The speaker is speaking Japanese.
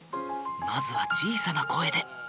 まずは小さな声で。